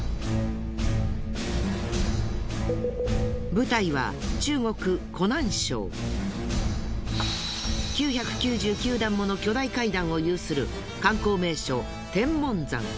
舞台は９９９段もの巨大階段を有する観光名所天門山。